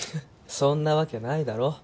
そんなわけないだろ